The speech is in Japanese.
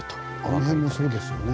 あの辺もそうですよね。